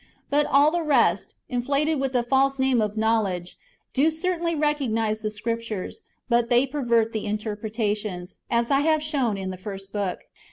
But all the rest, inflated with the false name of " knowledge," do certainly recognise the Scriptures ; but they pervert the interpretations, as I have shown in the first book.